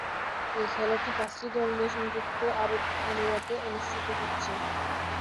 এ খেলাটি পাঁচটি দল নিয়ে সংযুক্ত আরব আমিরাতে অনুষ্ঠিত হচ্ছে।